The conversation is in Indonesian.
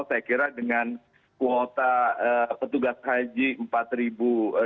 saya kira dengan kuota petugas haji rp empat ratus